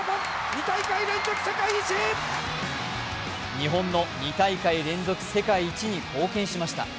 日本の２大会連続世界一に貢献しました。